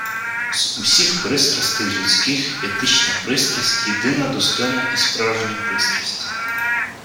З усіх пристрастей людських етична пристрасть – єдина достойна і справжня пристрасть.